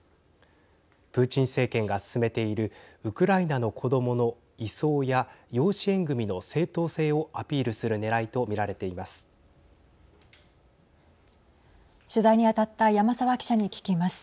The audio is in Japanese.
プーチン政権が進めているウクライナの子どもの移送や養子縁組の正当性をアピールするねらいと取材に当たった山澤記者に聞きます。